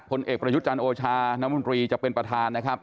คนเอกประชุดจันโอชาน้ำมุนตรีจะเป็นประธานนะครับ